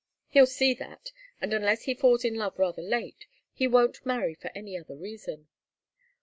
He'll see that, and unless he falls in love rather late, he won't marry for any other reason.